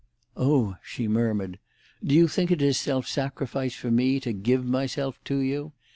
"Oh," she murmured. "Do you think it is self sacrifice for me to give myself to you?